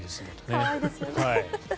可愛いですよね。